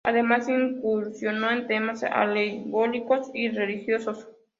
Además incursionó en temas alegóricos y religiosos.